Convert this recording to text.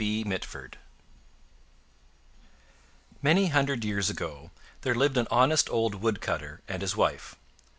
B. Mitford Many hundred years ago there lived an honest old woodcutter and his wife.